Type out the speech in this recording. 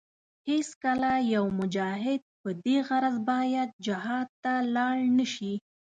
هېڅکله يو مجاهد په دې غرض باید جهاد ته لاړ نشي.